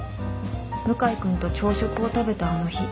向井君と朝食を食べたあの日